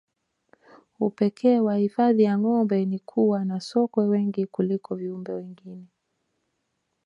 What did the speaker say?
upeeke wa hifadhi ya gombe ni kuwa na sokwe wengi kuliko viumbe wengine